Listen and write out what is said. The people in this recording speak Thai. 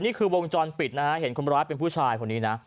นี่คือวงจรปิดนะฮะเห็นคนร้ายเป็นผู้ชายคนนี้นะ